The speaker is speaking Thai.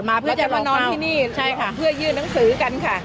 เราจะมานอนที่นี่เพื่อยื่นหนังสือกันค่ะ